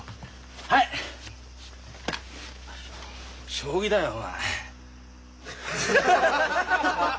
将棋だよお前。